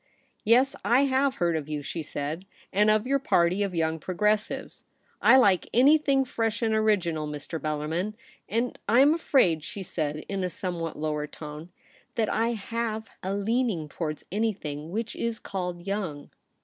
* Yes, I have heard of you,' she said ;' and of your party of young Progressives. I like anything fresh and original, Mr. Bellarmin, and I am afraid,' she said in a somewhat lower tone, ' that I have a leaning towards anything which is called young.'